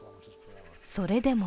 それでも